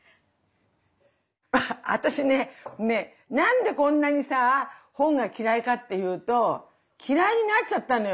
私ね何でこんなにさ本が嫌いかっていうと嫌いになっちゃったのよ。